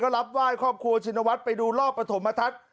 ก็รับว่ายครอบครัวชินวัฒน์ไปดูรอบประสงค์มาทัศน์